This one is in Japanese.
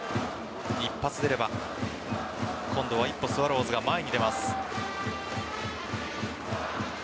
一発出れば今度は一歩スワローズが前に出ます。